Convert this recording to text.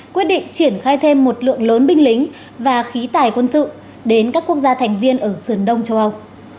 quyết định triển khai thêm một lượng lớn binh lính và khí tài quân sự đến các quốc gia thành viên ở sườn đông châu âu